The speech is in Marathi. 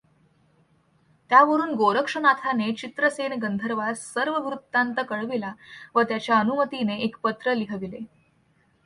त्यावरून गोरक्षनाथाने चित्रसेनगंधर्वास सर्व वृत्तान्त कळविला व त्याच्या अनुमतीने एक पत्र लिहविले.